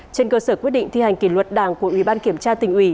trên cơ sở quyết định thi hành kỷ luật đảng của ủy ban kiểm tra tỉnh ủy